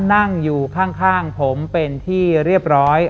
นั่งอยู่ข้างผมเป็นที่เรียบร้อย